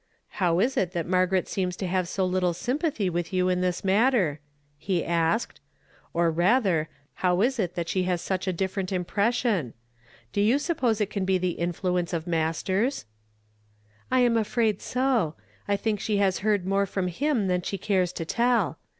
" How is it that Margaret seems to have so little sympathy with you in this maiitx ?" he asked. " Or rather, how is it that she has such a different iin[)ression? Do you suppose it can be the influ ence of Masters ?"'* T am afraid so. I think she has heard more froni liim than she cares to tell.